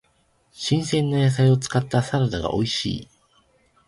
新鮮な野菜を使ったサラダが美味しい。